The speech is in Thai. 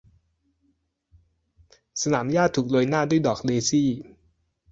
สนามหญ้าถูกโรยหน้าด้วยดอกเดซี่